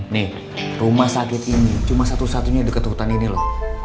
nih rumah sakit ini cuma satu satunya dekat hutan ini loh